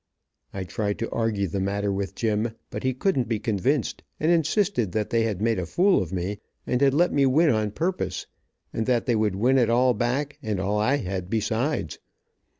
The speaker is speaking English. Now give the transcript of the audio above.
I tried to argue the matter with Jim, but he couldn't be convinced, and insisted that they had made a fool of me, and had let me win on purpose, and that they would win it all back, and all I had besides.